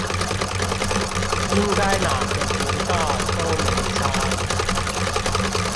應該哪個頻道都沒差